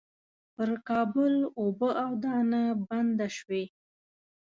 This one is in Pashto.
پر کابل اوبه او دانه بنده شوې.